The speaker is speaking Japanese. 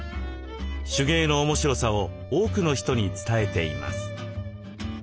手芸の面白さを多くの人に伝えています。